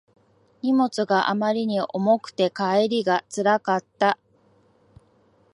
荷物があまりに重くて帰りがつらかった